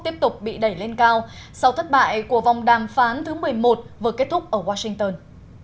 tiếp tục bị đẩy lên cao sau thất bại của vòng đàm phán thứ một mươi một vừa kết thúc ở washington